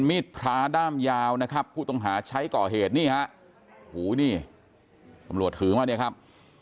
มีดพระด้ามยาวนะครับผู้ต้องหาใช้ก่อเหตุนี่ฮะหูนี่ตำรวจถือมาเนี่ยครับ